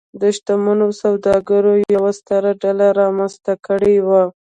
د شتمنو سوداګرو یوه ستره ډله رامنځته کړې وه.